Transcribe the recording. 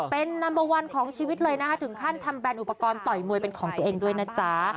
เป็นนัมเบอร์วันของชีวิตเลยนะคะถึงขั้นทำแนนอุปกรณ์ต่อยมวยเป็นของตัวเองด้วยนะจ๊ะ